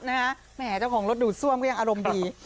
แหมเจ้าของรถดูดซ่วมก็ยังอารมณ์ดี